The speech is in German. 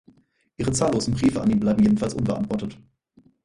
Ihre zahllosen Briefe an ihn bleiben jedenfalls unbeantwortet.